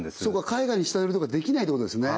海外に下売りとかできないってことですね